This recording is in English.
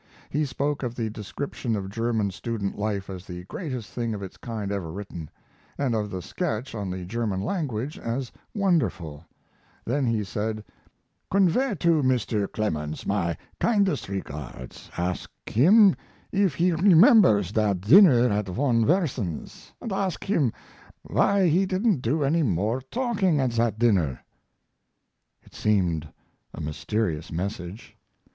He spoke of the description of German student life as the greatest thing of its kind ever written, and of the sketch on the German language as wonderful; then he said: "Convey to Mr. Clemens my kindest regards, ask him if he remembers that dinner at Von Versen's, and ask him why he didn't do any more talking at that dinner." It seemed a mysterious message.